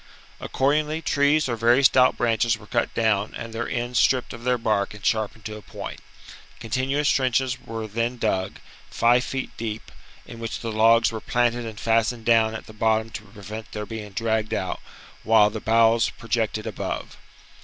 Accordingly trees or very stout branches were cut down and their ends stripped of their bark and sharpened to a point ; con tinuous trenches were then dug, five feet deep, in which the logs were planted and fastened down at the bottom to prevent their being dragged out, while the boughs projected above.